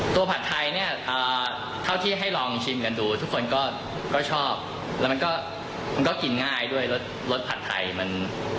ผัดไทยเนี่ยเท่าที่ให้ลองชิมกันดูทุกคนก็ชอบแล้วมันก็กินง่ายด้วยรสรสผัดไทยมัน